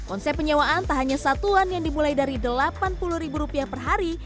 konsep penyewaan tak hanya satuan yang dimulai dari delapan puluh ribu rupiah per hari